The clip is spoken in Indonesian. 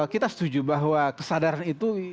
kita setuju bahwa kesadaran itu